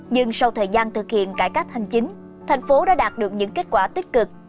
nhưng sau thời gian thực hiện cải cách hành chính thành phố đã đạt được những kết quả tích cực